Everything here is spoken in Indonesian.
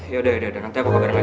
yaudah yaudah nanti aku kabar lagi